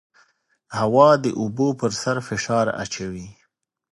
هوا د اوبو پر سر فشار اچوي.